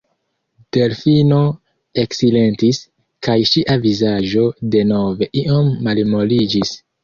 Delfino eksilentis, kaj ŝia vizaĝo denove iom malmoliĝis.